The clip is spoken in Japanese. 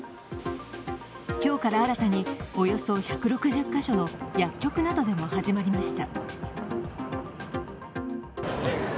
今日から新たにおよそ１６０カ所の薬局などでも始まりました。